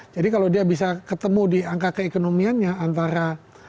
jadi kalau dia bisa ketemu di angka keekonomian ya antara